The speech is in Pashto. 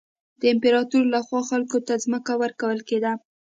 د امپراتور له خوا خلکو ته ځمکه ورکول کېده.